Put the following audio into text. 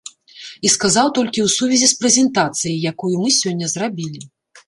І сказаў толькі ў сувязі з прэзентацыяй, якую мы сёння зрабілі.